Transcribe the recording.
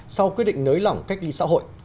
sau quyết định nới lỏng cách ly xã hội